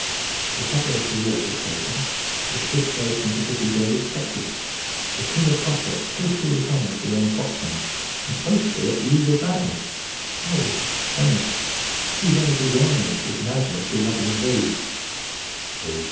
The suburbs of Warsaw taken; the capitulation of the city daily expected. The King of Prussia totally retired beyond Potsdam, and supposed to be at the eve of madness. Oh! Emma, who'd ever be wise, If madness be loving of thee.